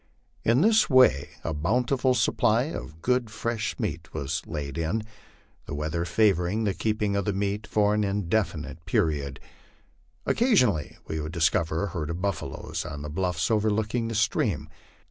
In this way a bountiful supply of good fresh meat was laid in, the weather favoring the keeping of the meat for an indefinite period. Occasionally we would discover a herd of buffaloes on the bluffs overlooking the stream.